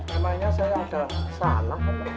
emangnya saya ada salah